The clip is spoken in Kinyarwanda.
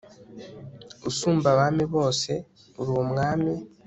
usumba abami bose, uri umwami